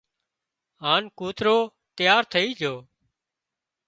هانَ ڪوترو تيار ٿئي جھو